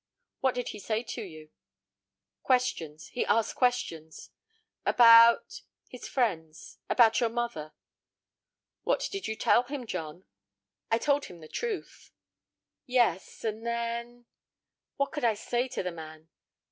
"What did he say to you?" "Questions. He asked questions." "About—" "His friends; about your mother." "What did you tell him, John?" "I told him the truth." "Yes; and then—" "What could I say to the man?